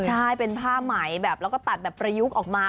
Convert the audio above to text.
ใช่เป็นผ้าไหมแบบแล้วก็ตัดแบบประยุกต์ออกมา